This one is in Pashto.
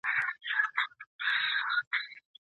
ځکه د طلاق سببونه ډير دي، چي هر څوک ئې نه اظهاروي.